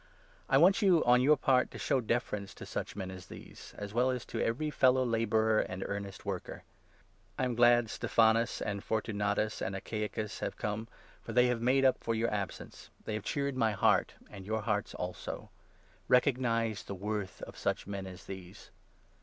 I want you, on your part, to 16 show deference to such men as these, as well as to every fellow labourer and earnest worker. I am glad Stephanas 17 and Fortunatus and Achaicus have come, for they have made up for your absence ; they have cheered my heart, and your 18 hearts, also. Recognize the worth of such men as these.